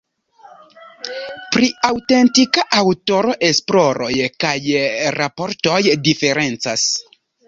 Pri aŭtentika aŭtoro esploroj kaj raportoj diferencas.